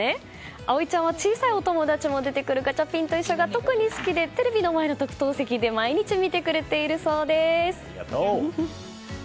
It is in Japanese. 碧海ちゃんは小さいお友達も出てくるガチャピンといっしょ！が特に好きでテレビの前の特等席で毎日見てくれているそうです。